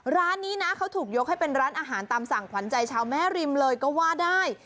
ร้านนี้นะเขาถูกยกให้เป็นร้านอาหารตามสั่งขวัญใจชาวแม่ริมเลยก็ว่าได้